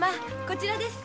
こちらです。